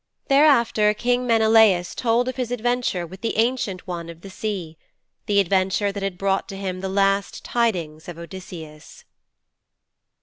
Thereafter King Menelaus told of his adventure with the Ancient One of the Sea the adventure that had brought to him the last tidings of Odysseus.